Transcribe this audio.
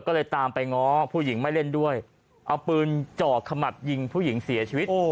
ก็เลยตามไปง้อผู้หญิงไม่เล่นด้วยเอาปืนจ่อขมับยิงผู้หญิงเสียชีวิต